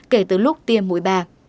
kể từ lúc tiêm mũi ba